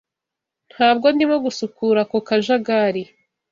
Ntabwo ndimo gusukura ako kajagari.